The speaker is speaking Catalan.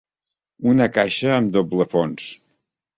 Una caixa amb doble fons.